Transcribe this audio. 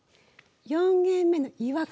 「４限目の違和感」。